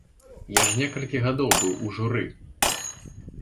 Я ж некалькі гадоў быў у журы!